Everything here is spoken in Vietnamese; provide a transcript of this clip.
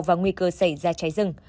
và nguy cơ xảy ra cháy rừng